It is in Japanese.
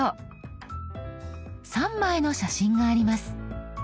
３枚の写真があります。